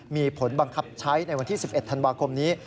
มีผลบังคับใช้ในวันที่๑๑ธันวาคมนี้